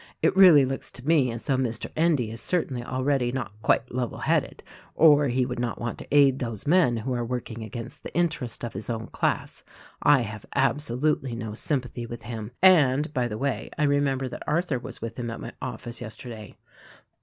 "It really looks to me as though Mr. Endy is certainly already not quite level headed or he would not want to aid those men who are working against the interest of his own class. I have absolutely no sym pathy with him. And, by the way, I remember that Arthur was with him at my office yesterday."